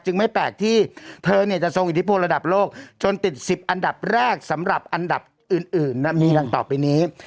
ไม่แปลกที่เธอเนี่ยจะทรงอิทธิพลระดับโลกจนติด๑๐อันดับแรกสำหรับอันดับอื่นมีดังต่อไปนี้